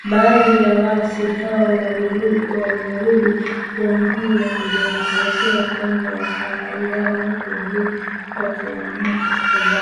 Baadhi ya waasi hao walirudi Jamhuri ya Kidemokrasia ya Kongo kwa hiari huku wengine wakiamua kubaki katika kambi ya jeshi la Uganda ya Bihanga, magharibi mwa Uganda